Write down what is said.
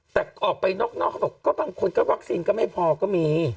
แต่ออกไปนอกเขาบอกก็บางคนก็วัคซีนก็ไม่พอก็มี